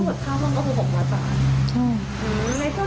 เพราะว่าเท่านั้นก็คือหกว่าจาน